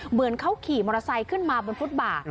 เหมือนเขาขี่มอเตอร์ไซค์ขึ้นมาบนฟุตบ่า